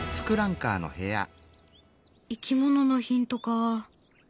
いきもののヒントか。